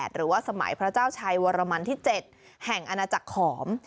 หรือว่าสมัยพระเจ้าชัยวรมันที่๗แห่งอาณาจักรขอม